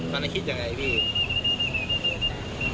มันคิดอย่างไรพี่